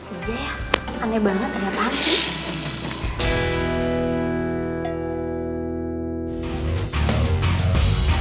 iya aneh banget ada apaan sih